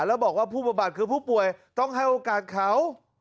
แล้วบอกว่าผู้ประบัดคือผู้ป่วยต้องให้โอกาสเขา